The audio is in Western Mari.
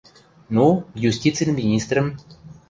— Ну, юстицин министрӹм.